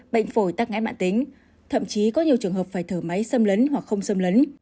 bệnh phổi tắc nghẽn mạng tính thậm chí có nhiều trường hợp phải thở máy xâm lấn hoặc không xâm lấn